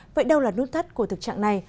vậy đâu là nút thắt của thực trạng này